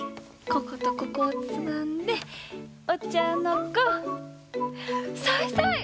こことここをつまんでお茶の子さいさい！